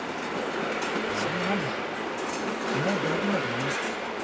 そんなママはもう病気になんかならねえ。